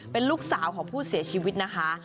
เป็นลูกสาวของผู้เสียชีวิตนะคะ